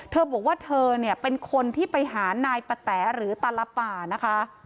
เธอบอกว่าเธอเนี่ยเป็นคนที่ไปหานายปะแต๋หรือตลป่านะคะ